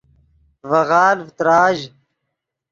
ڤے غالڤ تراژ